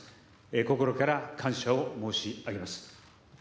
心から感謝を申し上げます。